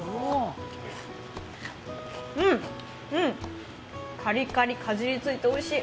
うん、カリカリ、かじりついておいしい。